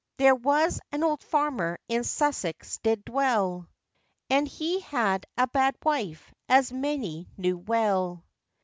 ] There was an old farmer in Sussex did dwell, And he had a bad wife, as many knew well.